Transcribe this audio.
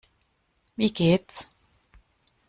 Wie geht's?